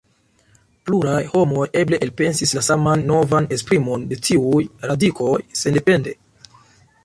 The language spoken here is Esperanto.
Pluraj homoj eble elpensis la saman novan esprimon de tiuj radikoj sendepende.